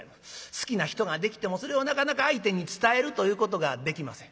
好きな人ができてもそれをなかなか相手に伝えるということができません。